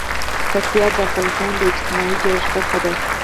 پکتیا د افغانستان د اجتماعي جوړښت برخه ده.